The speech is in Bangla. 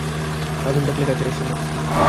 আগুন থাকলে কাছে আসে না।